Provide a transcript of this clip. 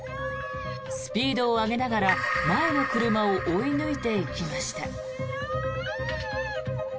スピードを上げながら前の車を追い抜いていきました。